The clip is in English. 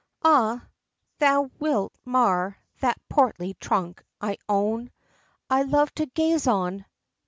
"Ah! thou wilt mar that portly trunk, I own I love to gaze on!